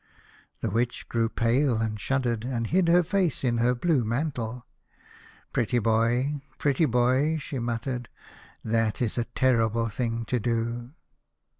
The Witch grew pale, and shuddered, and hid her face in her blue mantle. " Pretty boy, pretty boy," she muttered, " that is a terrible thing to do."